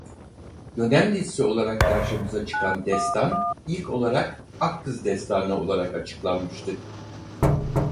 Dönem dizisi olarak karşımıza çıkan "Destan" ilk olarak "Akkız Destanı" olarak açıklanmıştı.